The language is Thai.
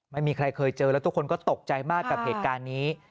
ไม่มีใครเคยเจอแล้วทุกคนก็ตกใจมากกับเหตุการณ์นี้